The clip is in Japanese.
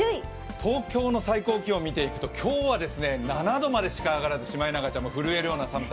東京の最高気温を見ていくと今日は７度までしか上がらずシマエナガちゃんも震えるような寒さ。